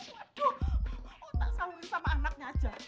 waduh otak sanggup sama anaknya aja